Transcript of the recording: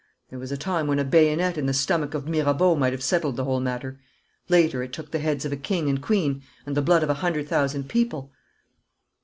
There was a time when a bayonet in the stomach of Mirabeau might have settled the whole matter. Later it took the heads of a king and queen and the blood of a hundred thousand people.'